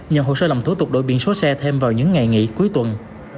nhờ hồ sơ lòng thủ tục đổi biển số xe thêm vào những ngày nghỉ cuối tuần